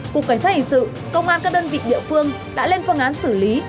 cục cảnh sát hình sự công an các đơn vị địa phương đã lên phương án xử lý